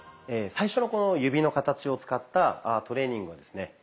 最初のこの指の形を使ったトレーニングはですね